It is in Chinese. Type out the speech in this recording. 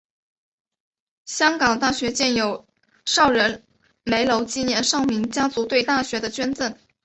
香港大学建有邵仁枚楼纪念邵氏家族对大学的捐献。